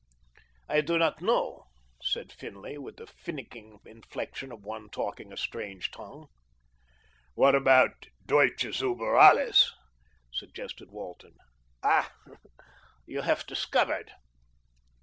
"I do not know," said Finlay with the finnicking inflection of one talking in a strange tongue. "What about Deutsches über alles?" suggested Walton. "Ah! you have discovered."